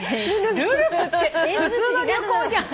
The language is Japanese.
『るるぶ』って普通の旅行じゃん。